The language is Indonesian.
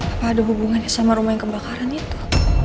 apa ada hubungannya sama rumah yang kebakaran itu